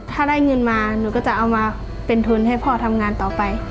ถ้าได้เงินมาหนูก็จะเอามาเป็นทุนให้พ่อทำงานต่อไป